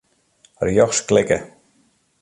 Rjochts klikke.